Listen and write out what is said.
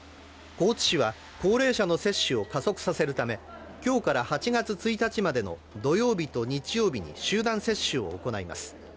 高知市は高齢者の接種を加速させるため、今日から８月１日までの土曜日と日曜日に集団接種を行います。